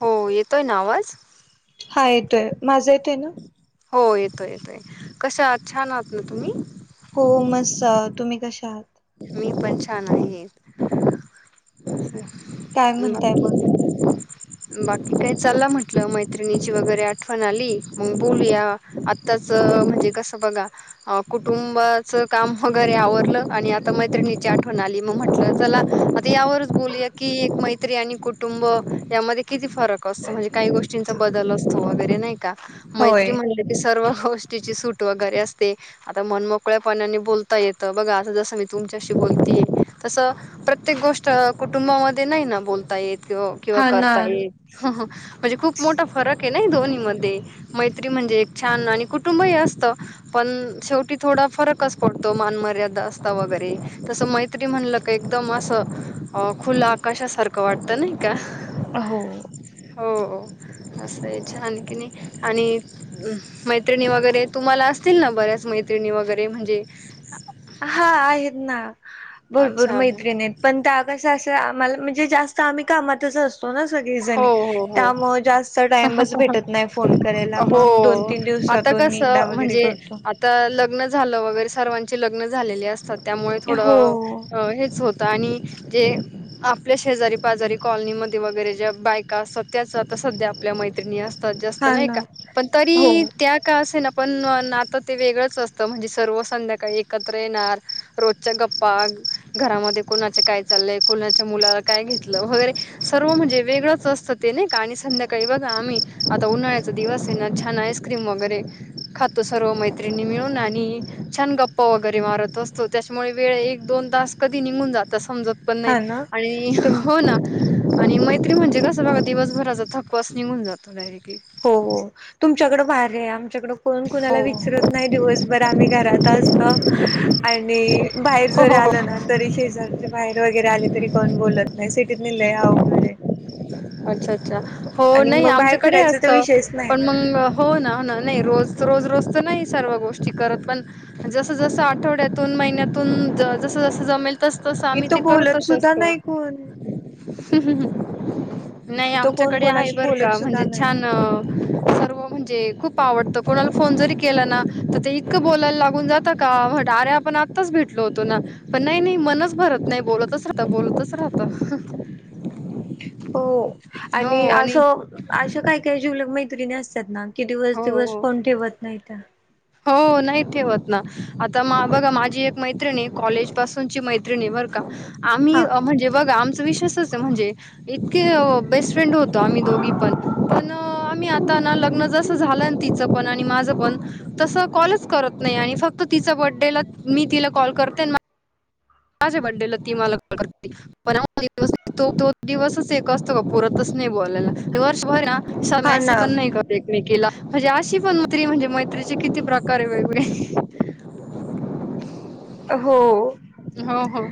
हो येतोय ना आवाज? हा येतोय. माझा येतोय ना? हो येतोय येतोय. कशा आहात? छान आहात ना तुम्ही? हो मस्त तुम्ही कशा आहात? मी पण छान आहे. हा काय म्हणताय मग बाकी बाकी काय चला म्हंटलं मैत्रिणीची वगैरे आठवण आली मग बोलूया. आत्ताच म्हणजे, कसं बघा अ कुटुंबाचं काम वगैरे आवरलं आणि आ तर मैत्रिणीची आठवण आली. मग म्हटलं चला आता यावरच बोलूया की, एक मैत्री आणि कु.. टुंब यामध्ये किती फरक असतो. म्हणजे काही गोष्टींचा बदल असतो वगैरे नाही का? मैत्री होय म्हणलं की, सर्व गोष्टीची सूट वगैरे असते. आता मनमोकळ्यापणाने बोलता येतं बघा आता जस मी तुमच्याशी बोलतीये मी तसं प्रत्येक गोष्ट कुटुंबामध्ये नाही ना बोलता येत. किंवा किंवा हा ना करता येे, म्हणजे खूप मोठा फरक ए ना दोन्ही मध्ये मैत्री म्हणजे एक छान आणि कुटुंबही असतं पण शेवटी थोडा फरकच पडतो. मानमर्यादा अस.. ते वगैरे तसं मैत्री म्हणल की, एकदम असं खुलं आकाशासारखं ख वाटतं नाही का? हो हो मस्तय छान ए की नही आणि मैत्रिणी वगैरे तुम्हाला असतील ना बऱ्याच मैत्रिणी वगैरे म्हणजे हा आहेत ना भरपूर अच्छा मैत्रिणीयेत. पण त्या कशा अशा आम्हाला म्हणजे जास्त आम्ही कामातच अस.. तो न सगळी जणी हो हो हो त्यामुळे जास्त टाइमच भेटत नाही फोन करायला हो मग दोन तीन दिवसात तो न एकदा वगैरे करतो. तर लग्न झालं वगैरे सर्वांची लग्न झालेली असतात त्यामुळे थोडं हो अ हेच होत आणि जे आपल्या शेजारी पाजारी कॉलनीमध्ये वगैरे ज्या बायका असतात त्याच आता सध्या आपल्या मै असतात जास्त हा नाही ना का पण हो तरी त्या का असेना पण नातं ते वेगळंच असतं म्हणजे सर्व संध्याकाळी एकत्र येणार रोजच्या गप्पा घरामध्ये कोणाचे काय चाललंय कोणाच्या मुलाला काय घेतलं होय रे सर्व म्हणजे वेगळंच असतं ते नाही का आणि संध्याकाळी बघा आम्ही आता उन्हाळ्याचा दिवस आहे ना छान आईस्क्रीम वगैरे खातो सर्व मैत्रिणी मिळून आणि छान गप्पा वगैरे मारत असतो. त्याच्यामुळे वेळ एक दोन तास कधी निघून जात समजत पण नाही हा ना आणि तुम हो ना आणि म ते म्हणजे कसं बघा दिवसभराचा थकवास निघून जातो डयरेक्टीली. हो हो तुमच्याकडं भारी आहे आमच्याकड कोण कुणाला हो विचरत नाही दिवसभर आम्ही घरात असतो आणि बाहेर हो जरी हो हो आलो ना तरी शेजारचे बाहेर वगैरे आले तरी कोण बोलत नाही सिटीतनी लय अवघड आहे. अच्छा अच्छा हो आणि नाही मग बाहेर आमच्याकडे फिरायचा असत तर विषयच नाही पण मग हो ना ना नाही रोजच रोज रोज तर नाही सर्व गोष्टी करत पण जस जस आठवड्यातून महिन्यातून जस जसं जमेल तस तस आम्ही ते इथं बोलत करतच सुद्धा असतो. नाही कोण नाही इथं कोण आमच्याकडे आहे कोणाशी बरं बोलत का सुद्धा म्हणजे नाही छान हो म्हणजे खूप आवडत कोणाला फोन जरी केला ना तर ते इतकं बोलायला लागून जात का बट अरे पण आत्ताच भेटलो होतो ना पण नाही नाही मनच भरत नाही बोलतच राहत बोलतच राहत. हो आणि असं अशा काही काही जिवलग मैत्रिणी असतात ना, कि दिवस हो, दिवस हो. फोन ठेवत नाही त्या हो नाही ठेवत ना आता बघा माझी एक मैत्रिणी कॉलेज पासूनची मैत्रिणी बर का आम्ही हा म्हणजे बघा आमच विश्वासच आहे म्हणजे इतके बेस्ट फ्रेंड होतो आम्ही दोघी पण पण मी आता ना लग्न जसं झालं तिचं पण आणि माझं पण तस कॉलच करत नाही आणि फक्त तिचा बर्डेला मी तिला कॉल करते. माझ्या बर्थडे ती मला कॉल करते. पण तो तो दिवसच एक असतो का पुरतच नाही बोलायला वर्षभर ना सधा हा मॅसेज ना पण नाही करत. एकमकीला म्हणजे अशी पण मैत्री म्हणजे मैत्रीचे किती प्रकार आहे वेगवेगळे हो हो हो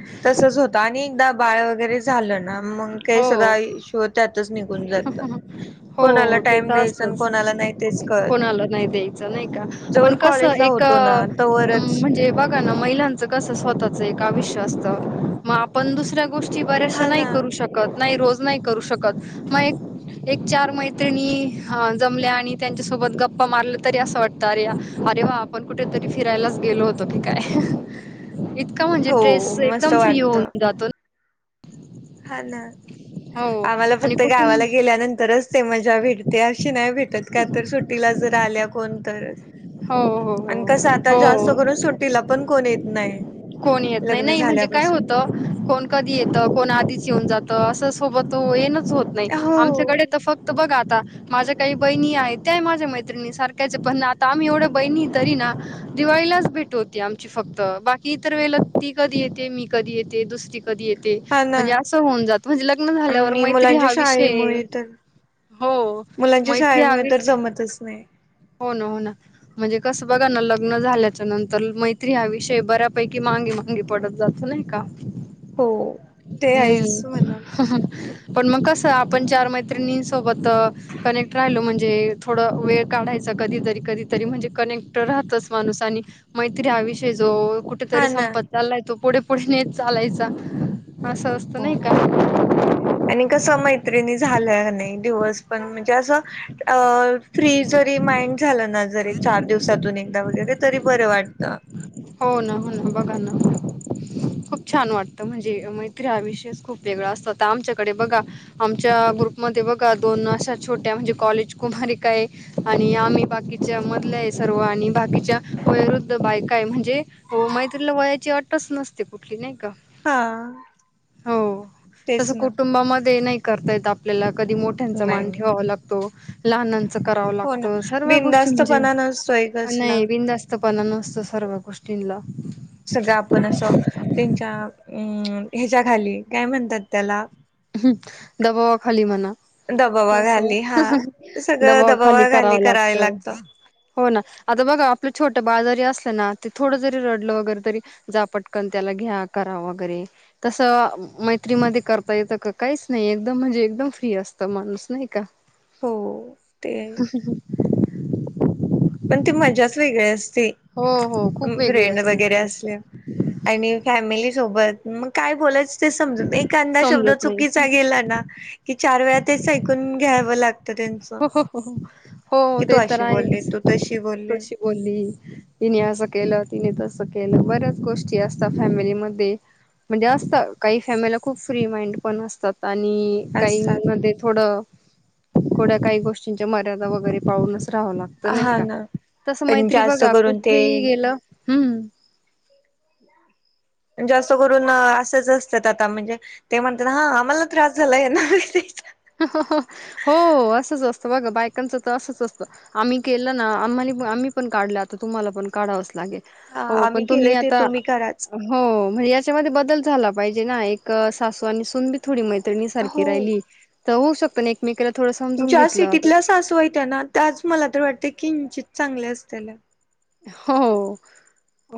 कानियकदा बाळ वगैरे झालं ना मग काही हो, सग हो. इशू त्यातच निघून जात कोणाला हो ते टाइम तर द्याय. कोणाला नाही द्यायचं नाही का जोवर पण कस कॉलेजला एक होतो ना तोवरच म्हणजे बघा ना महिलांचं कस स्वतःच एक आयुष्य असत मग आपण दुसऱ्या ची बऱ्याचश हा नाही ना करू शकत नाही रोज नाही करू शकत मग एक एक चार मैत्रिणी हा जमल्या आणि त्यांच्यासोबत गप्पा मारलं तरी असं वाटतं अरे अरे वा पण कुठेतरी फिरायलाच गेलो होतो की काय इतका म्हणजे हो ट्रेस मस्त एकदम फ्री वाटत होऊन जात. हा ना हो आम्हाला आणि फक्त कुटुंब गावाला गेल्यानंतरच ते मजा विहरीत ते अशी नाही भेटत का? तर सुट्टीला जर आल्या कोण तरच हो हो हो. आणि कसं आता जास्त हो. करून सुट्टीला पण कोण येत नाही. कोण येत नाही लग्न नाही म्हणजे काय झाल्यापासून होत कोण कधी येतं कोण आधीच येऊन जातं असं सोबत येनच होत नाही. हो आमच्याकडे तर फक्त त बघ आता माझ्या काही बहिणी आहेत. त्याय माझ्या मैत्रिणी सारख्याचे पण आता आम्ही एवढ्या बहिणी तरी ना दिवाळीलाच भेट होते आमची फक्त बाकी इतर वेळेला ती कधी येते मी कधी येते दुसरी कधी येते हा ना म्हणजे असं होऊन जात म्हणजे लग्न झाल्यावर आणि मैत्री मुलांच्या हा विषय शाळेमुळे तर हो मुलांच्या मैत्री हा शाळेमुळे तर विषय जमतच नाही. हो न हो ना. म्हणजे कसं बघा ना, लग्न झाल्याच्या नंतर मैत्री हा विषय बऱ्यापैकी मांगे मागे पडत जातो नाही. का? हो. ते आहेच हम् म्हणा ह.. पण मग कसं आपण चार मैत्रिणी सोबत कनेक्ट राहिलो म्हणजे थोडं वेळ काढायच. चं कधीतरी कधीतरी म्हणजे कनेक्ट राहतंच माणूस आणि मैत्री हा विषय जो कुठ कुठेतरी हा ना. संपत चाललाय तो पुढे पुढे नेत चालायचा असं असतं नाही हो. का? आणि कसं मैत्रिणी झाल्या नाही दिवस पण म्हणजे असं अ फ्री जरी माइंड झालं ना, जरी चार दिवसातून एकदा वगैरे तरी बरं वाटतं. होन होन बघान खूप छान वाटतं म्हणजे फ्राविषयस खूप वेगळा असतो. आता आमच्याकडे बघा आमच्या ग्रुपमध्ये बघा दोन अशा छोट्या म्हणजे कॉलेज कुमारीका आहे. आणि आम्ही बाकीच्या मधल्या आहे सर्व आणि बाकीच्या वयवृद्ध बायका काय म्हणजे हो मैत्रीला वयाची अटच नसते कुठली नाही का? हा हो तसं तेच ना. कुटुंबामध्ये नाही करता येत आपल्याला कधी मोठ त्यांचा नाही. मान नाही ठेवावा लागतो. लहानांचं कराव लागतं सर्व गोष्टी म्हणजे बनाना स्वंयगसला मुक्तपणा नसतो सर्व गोष्टींला सगळं आपण असं त्यांच्या अं ह्याच्या खाली काय म्हणतात त्याला ह् दबावाखाली म्हना दबावा असं खाली हा. सगळं दबावाखाली दबावा कराव खाली करायला लागतं. होना, आता बघा आपलं छोटं बाळ जरी असलं ना, ते थोडं जरी रडलं वगैरे तरी जा पटकन त्याला घ्या करा वगैरे तसं मैत्रीमध्ये कर [unintelligible] काहीस नाही एकदम म्हणजे एकदम फ्री असतं माणूस नाही का? हो. ते आहे. ह ह, पण ती मजाच वेगळी असते. हो हो खूप वेगळी फ्रेंड असते वगैरे ती मज्जा असल्यावर आणि फॅमिली सोबत मग काय बोलायचं ते समजून एखादा शब्द समजत नाही. चुकीचा गेला ना, की चार वेळा तेच ऐकून घ्यावं लाग ते त्यांच हो हो हो हो की तू ते तर अशी बोलली, आहेच. तू तशी बोलली. कशी बोलली. तिने असं केलं, तिने तसं केलं, बऱ्याच गोष्टी असतात फॅमिलीमध्ये. म्हणजे असतं काही फॅमिल्या खूप फ्री माइंड पण असतात आणि काही असतात मध्ये थोडं थोड्या काही गोष्टींच्या मर्यादा वगैरे पाहूनच रहाव लागतं. नाही हा का? ना तस पण मैत्री जास्त बघा करून कुठेही ते गेलं हम् जास्त करून असंच असत्यात आता म्हणजे ते म्हणतात हा आम्हाला त्रास झाला आहे यांना [unintelligible] हो असंच असत बघा बायकांचं तर असंच असतं आम्ही केलं ना आम्हाला आम्ही पण काढलं आता तुम्हाला पण काढावंच लागेल. हा हो आम्ही पण केले तुम्ही ते आता कराच हो म्हणजे याच्यामध्ये बदल झाला पाहिजे ना एक सासू आणि सून थोडी मैत्रिणीसारखी हो राहिली तर होऊ शकत न एकमेकीला थोडस ज्या सिटीतल्या सासू आहेत ना त्याच मला तर वाटतय किंचित चांगल्या असतील हो,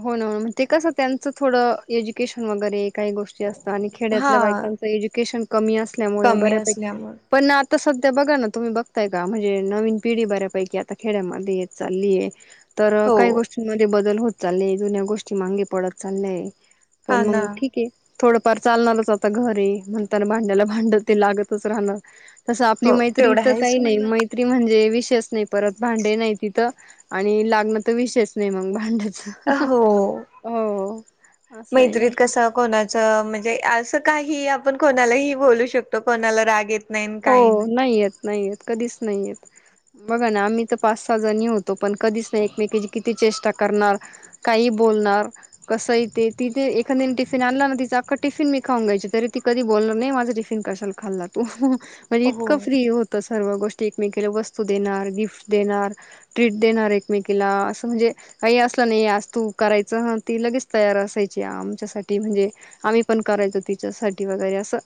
हो ना हो ते कसं त्यांचं थोडं एज्युकेशन वगैरे एक काही गोष्टी असतात आणि हा खेड्यातल्या बायकांच एज्युकेशन कमी असल्यामुळे कमी बऱ्यापैकी असल्यामुळे पण आता सध्या बघा ना तुम्ही बघताय का म्हणजे नवीन पिढी बऱ्यापैकी आता खेड्यामध्ये चालली आहे तर हो काही गोष्टींमध्ये बदल होत चाललाय जुन्या गोष्टी मगे पडत चालल्यात हा पण ना मग ठीक आहे. थोडंफार चालणारच आता घर आहे म्हणताना भांड्याला भांड ते लागतच राहणं. तसं आपली हो मैत्री तेवढं तर आहेच काही नाही म्हणा मै म्हणजे विशेष नाही परत भांडे नाही तिथ आणि म त विषयच नाही मग भांड्याच, हो हो असं नाही का कोणाच म्हणजे असं काही आपण कोणालाही बोलू शकतो कोणाला राग येत नाही काही हो नाही नाही येत नाही येत कधीच नाही येत. बघा ना आम्ही तर पाच सहा जणी होतो पण कधीच नाही एकमेकीची किती चेष्टा करणार काहीही बोलणार कस इथे तिथे एखादीने टिफिन आणला ना तिचं अख्ख टिफीन मी खाऊन घ्यायची तरी कधी बोलणार नाही माझं टिफिन कशाला खाल्ला तू म्हणजे हो इतकं फ्री होत तर सर्व गोष्टी एकमेकला वस्तू देणार, गिफ्ट देणार ट्रीट देणार एकमेकीला असं म्हणजे काही असलं नाही आज तू करायच ती लगेच तयार असायची आमच्यासाठी म्हणजे आम्ही पण करायचो तिच्यासाठी वगैरे असं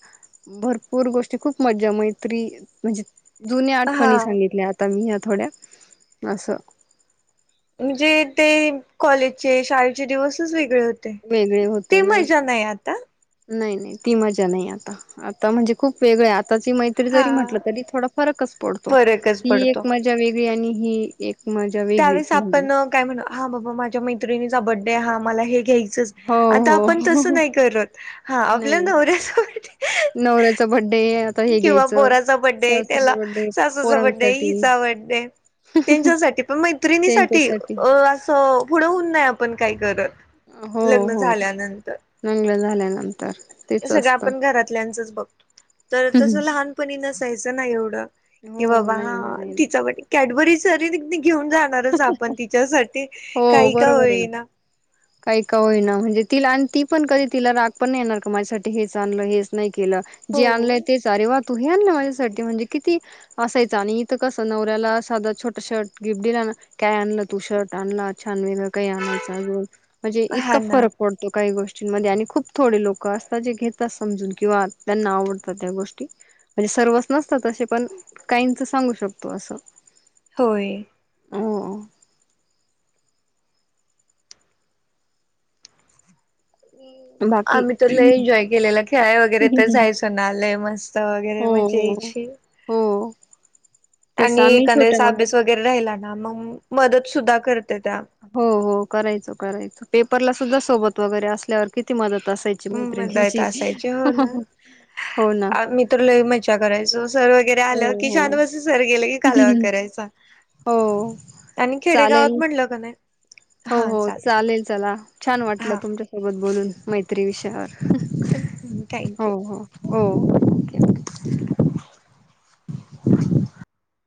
भरपूर गोष्टी खूप मज्जा मैत्री म्हणजे जुन्या हा आठवणी सांगितल्या आता मी ह्या थोड्या अस. म्हणजे ते कॉलेजचे शाळेचे दिवसच वेगळे होते. वेगळे ते होते मज्जा नाही आता. नाही नाही ती मजा नाही आता, आता म्हणजे खूप वेगळे आहे त हा जरी म्हटलं तरी थोडा फरकच पडतो फरकच ती पडतो एक मजा वेगळी आणि ही एक मजा वेगळीच त्यावेळेस म्हणजे. आपण काय म्हण हा बाबा माझ्या मैत्रिणीचा बर्थडे हा मला हे घ्यायच हो आता आपण तस हो नाही करत हा आपल्या नाही नवऱ्यास नवऱ्याचा बड्डे हे किंवा घ्यायचं बोराचा बड्डे सासूचा त्याला बड्डे सासूचा बड्डे पोरांसाठी हिचा बड्डे त्यांच्यासाठी पण मैत्रिणीसाठी त्यांच्यासाठी असं पुढं होन नाही आपण काय करत हो लग्न हो, झाल्यानंतर लग्न झाल्यानंतर. हे तेच सगळं आपण असतं घरातल्यांचच बघतो तर तसं लहानपणी नसायचं ना एवढं. की हो बाबा नाही ना नाही ना तिचा [unintelligible] कॅडबरी सरी घेऊन जाणारच आपण तिच्यासाठी हो काही का बरोबर आहे होई ना. काही का होईना म्हणजे तिला आणि ती पण कधी तिला राग पण नाही येणार का माझ्यासाठी हेच आणलं हेच नाही केलं. हो जे आणलंय ते स रे वाह तूही आणला माझ्यासाठीठी म्हणजे किती असायच आणि इथं कसं नवऱ्याला साधा छोटा छोट गिफ्ट दिला ना काय आणलं तू शर्ट आणला छान वेगळं काही आणायच अजून म्हणजे इतका हा ना फरक पडत तो काही गोष्टींमध्ये आणि खूप थोडे लोक असतात जे घेतात समजून किंवा त्यांना आवडतात त्या गोष्टी म्हणजे सर्वच नसतात ते पण काहींच सांगू शकतो असं. होय. हो ब. आम्ही त लई एन्जॉय केलेला खेळाय वगैरे हो तर जायचो नालय मस्त वगैरे मजा हो याची हो. तेच आणि आम्ही छोट्या एखाद्या मोठ्या अभ्यास वगैरे राहिला ना मग मदत सुद्धा करते त्या. हो हो करायचो करायच पेपरला सुद्धा सोबत वगैरे असल्यावर किती मदत असायची. मदत मैत्रिणींची असायची हो ना. हो ना. मी तर लई मज्जा करायचो सर वगैरे हो आलं की हो शांत बसून सर गेलं की कालवा करायचा. हो आणि खेडेगावात चालेल म्हटलं का नाही. हो हा हो चालत चालेल चला छान वाटलं हा तुमच्यासोबत बोलून मैत्री विषयावर. थँक्यू. हो हो हो.